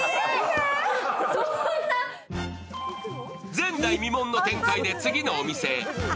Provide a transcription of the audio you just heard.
前代未聞の展開で次のお店へ。